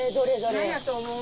何やと思う？